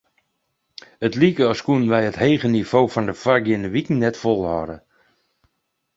It like as koene wy it hege nivo fan de foargeande wiken net folhâlde.